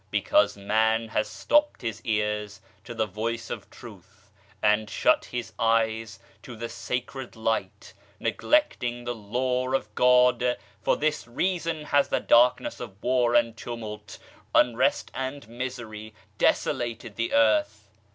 Because Man has stopped his ears to the Voice of Truth and shut his eyes to the Sacred Light, neglecting the Law of God, for this reason has the darkness of war and tumult, unrest and misery, desolated the earth.